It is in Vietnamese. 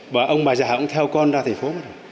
và ông bài già cũng theo con ra thành phố rồi